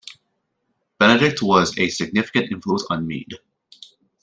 Benedict was a significant influence on Mead.